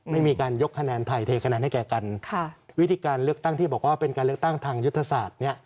ไม่มีการยกคะแนนไทยเทคะแนนให้แก่กันค่ะวิธีการเลือกตั้งที่บอกว่าเป็นการเลือกตั้งทางยุทธศาสตร์เนี่ย